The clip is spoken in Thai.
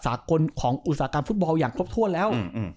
สากลของอุตสาหการฟุตบอลอย่างทั่วแล้ว